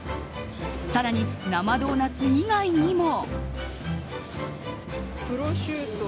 更に、生ドーナツ以外にも。